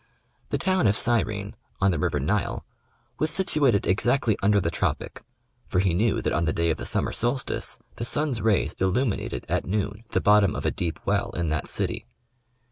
The town of Cyrene, on the river Nile, was situated exactly under the tropic, for he knew that on the day of the summer solstice, the sun's rays illuminated at noon the bottom of a deep well in that city.